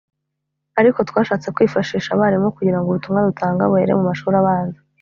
ariko twashatse kwifashisha abarimu kugira ngo ubutumwa dutanga buhere mu mashuri abanza